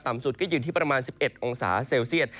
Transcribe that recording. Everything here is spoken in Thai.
ต่ำสุดก็ยืนที่ประมาณ๑๑องศาเซียต